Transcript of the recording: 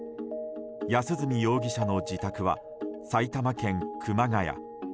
安栖容疑者の自宅は埼玉県熊谷。